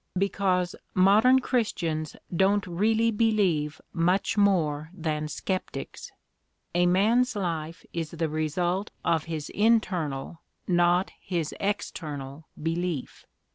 "Because modern Christians don't really believe much more than sceptics a man's life is the result of his internal, not his external belief.